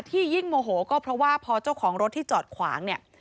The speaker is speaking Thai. ยิ่งโมโหก็เพราะว่าพอเจ้าของรถที่จอดขวางเนี่ย